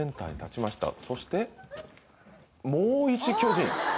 そしてもう１巨人。